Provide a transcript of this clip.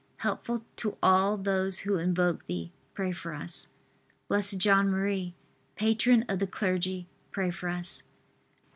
helpful to all those who invoke thee, pray for us. B. J. M., patron of the clergy, pray for us.